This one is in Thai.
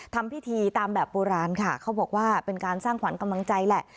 ทำพิธีตามแบบโบราณค่ะเขาบอกว่าเป็นการสร้างขวัญกำลังใจแหละ